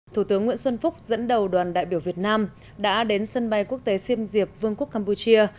thủ tướng nguyễn xuân phúc dẫn đầu đoàn đại biểu việt nam đã đến sân bay quốc tế siêm diệp vương quốc campuchia